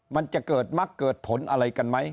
มันจะเกิดมักเกิดผลอะไรกันไหม